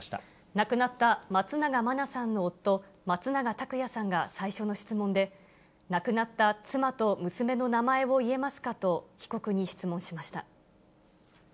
亡くなった松永真菜さんの夫、松永拓也さんが最初の質問で、亡くなった妻と娘の名前を言えますかと被告に質問しました。